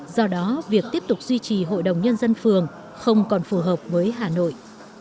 do đó việc tiếp tục duy trì hội đồng nhân dân phường không còn phù hợp với hà nội